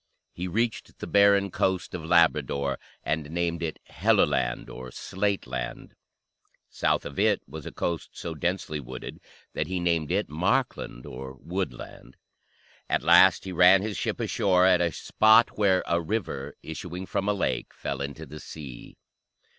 He reached the barren coast of Labrador and named it Helluland, or "slate land;" south of it was a coast so densely wooded that he named it Markland, or "woodland." At last he ran his ship ashore at a spot where "a river, issuing from a lake, fell into the sea."